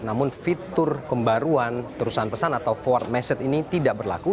namun fitur pembaruan terusan pesan atau forward message ini tidak berlaku